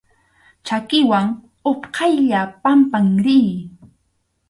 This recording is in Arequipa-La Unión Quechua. Chakiwan utqaylla pampan riy.